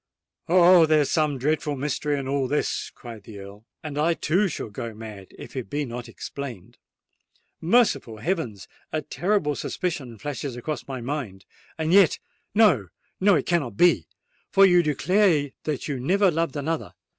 "Oh! there is some dreadful mystery in all this!" cried the Earl; "and I too shall go mad if it be not explained! Merciful heavens! a terrible suspicion flashes across my mind. And yet—no—no, it cannot be,—for you declare that you never loved another!